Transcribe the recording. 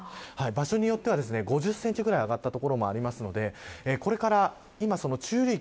場所によっては５０センチくらい上がった所もありますのでこれから中流域